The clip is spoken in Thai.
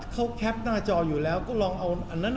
เขาแคปหน้าจออยู่แล้วก็ลองเอาอันนั้น